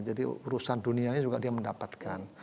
jadi urusan dunianya juga dia mendapatkan